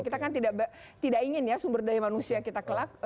kita kan tidak ingin ya sumber daya manusia kita kelak